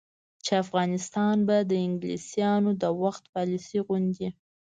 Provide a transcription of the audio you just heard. چې افغانستان به د انګلیسانو د وخت پالیسي غوندې،